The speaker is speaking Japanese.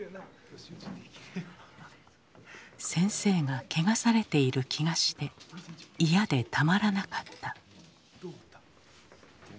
先生が汚されている気がして嫌でたまらなかった。